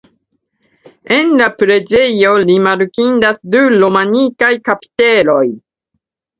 En la preĝejo rimarkindas du romanikaj kapiteloj.